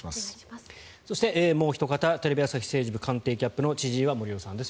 そしてもうおひと方テレビ朝日政治部官邸キャップの千々岩森生さんです。